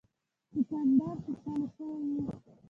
دوکاندار خوشاله شوی و.